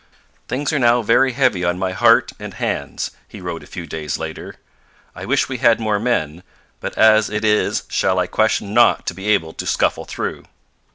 'Things are now very heavy on my heart and hands,' he wrote a few days later. 'I wish we had more men, but as it is shall I question not to be able to scuffle through.'